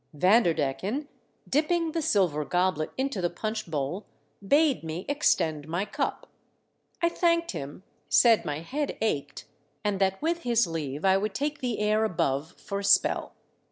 Vanderdecken, dipping the silver goblet into the punch bowl, bade me extend my cup. I thanked him, said my head ached, and that with his leave I would take the air above for a spell.